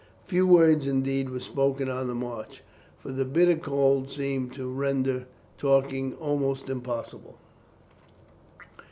Few words indeed were spoken on the march, for the bitter cold seemed to render talking almost impossible.